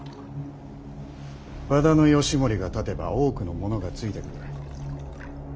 和田義盛が立てば多くの者がついてくる。